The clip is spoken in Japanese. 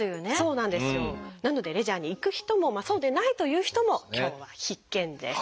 なのでレジャーに行く人もそうでないという人も今日は必見です。